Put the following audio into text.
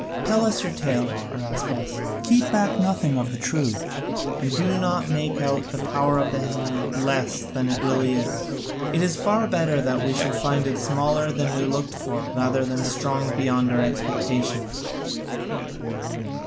Tell us your tale, Araspas, keep back nothing of the truth, and do not make out the power of the enemy less than it really is. It is far better that we should find it smaller than we looked for rather than strong beyond our expectations."